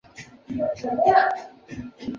但对于敌人的残暴行为也会感到相当愤怒。